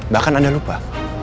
bahkan anda lupa